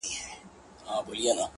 چي د کوچ خبر یې جام د اجل راسي!.